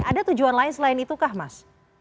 ada tujuan lain selain itukah mas